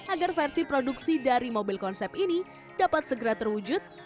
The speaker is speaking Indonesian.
agar versi produksi dari mobil konsep ini dapat segera terwujud